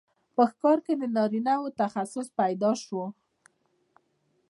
په ښکار کې د نارینه وو تخصص پیدا شو.